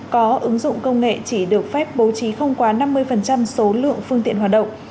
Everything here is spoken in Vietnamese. có ứng dụng công nghệ chỉ được phép bố trí không quá năm mươi số lượng phương tiện hoạt động